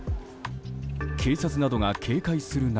警察などが警戒する中。